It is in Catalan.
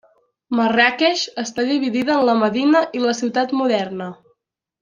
Marràqueix està dividida en la Medina i la ciutat moderna.